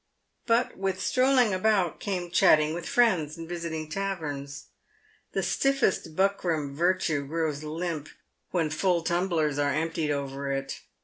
But with Btrolling about came chatting with friends and visiting taverns. The stiffest buckram virtue grows limp when full tumblers are emptied over it.